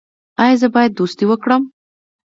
ایا زه باید دوستي وکړم؟